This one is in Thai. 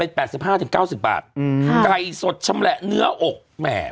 แปดสิบห้าถึงเก้าสิบบาทอืมค่ะไก่สดชำแหละเนื้ออกแหม